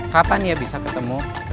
kapan ya bisa ketemu